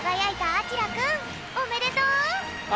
あきらくんおめでとう！